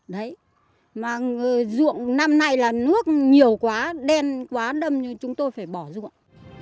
đấy mà ruộng năm nay là nước nhiều quá đen quá đâm chúng tôi phải bỏ ruộng